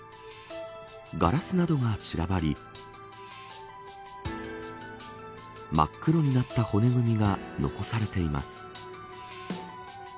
ガラスなどが散らばり真っ黒になった骨組みが残されています。